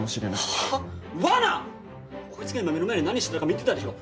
こいつが今目の前で何してたか見てたでしょ。